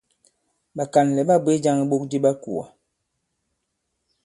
Ɓàkànlɛ̀ ɓa bwě jāŋ iɓok di ɓa kùà.